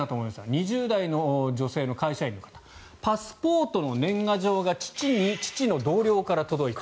２０代の女性の会社員の方パスポートの年賀状が父の同僚から届いた。